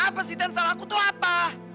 apa sih tante salah aku tuh apa